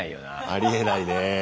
ありえないね。